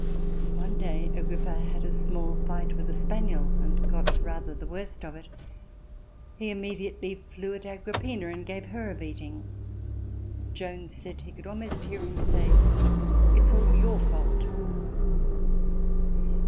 One day Agrippa had a small fight with a spaniel and got rather the worst of it. He immediately flew at Agrippina and gave her a beating. Jones said he could almost hear him say, "It's all your fault."